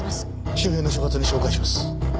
周辺の所轄に照会します。